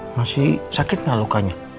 masih sakit gak lukanya